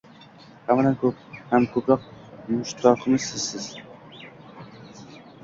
Hammadan ham ko’proq mushtoqmiz sizga